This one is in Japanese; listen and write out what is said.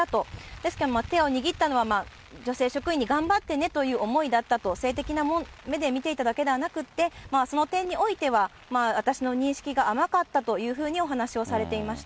ですけど手を握ったのは、女性職員に頑張ってねという思いだったと、性的な目で見ていただけではなくて、その点においては、私の認識が甘かったというふうにお話をされていました。